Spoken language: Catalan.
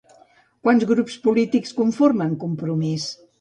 Quants grups polítics conformen Compromís?